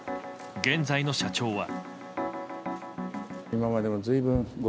現在の社長は。